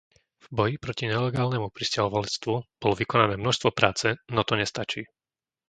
V boji proti nelegálnemu prisťahovalectvu bolo vykonané množstvo práce, no to nestačí.